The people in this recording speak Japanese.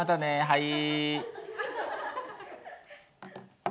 はい。